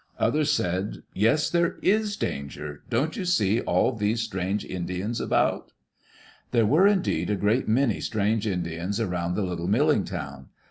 Others said, "Yes, there is danger. Don't you see all these strange Indians about?" There were indeed a great many strange Indians around the little milling town.